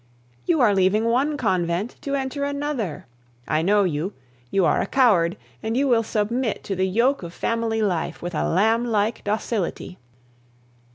You are leaving one convent to enter another. I know you; you are a coward, and you will submit to the yoke of family life with a lamblike docility.